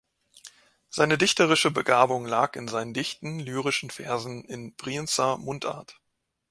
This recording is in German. Seine dichterische Begabung lag in seinen dichten lyrischen Versen in Brienzer Mundart.